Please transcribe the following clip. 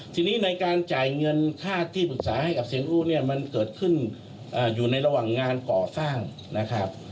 ทีนี้ในการจ่ายเงินค่าที่ปรึกษาให้กับเซียนอู้เนี่ยมันเกิดขึ้นอยู่ในระหว่างงานก่อสร้างนะครับ